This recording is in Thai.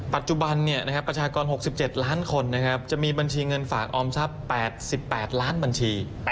ปัจจุบันประชากร๖๗ล้านคนจะมีบัญชีเงินฝากออมทรัพย์๘๘ล้านบัญชี